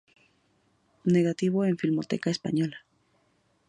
Negativo en Filmoteca española.